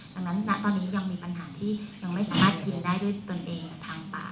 ดังนั้นณตอนนี้ยังมีปัญหาที่ยังไม่สามารถกินได้ด้วยตนเองกับทางป่า